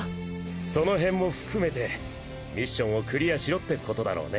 そのへんも含めてミッションをクリアしろってことだろうね。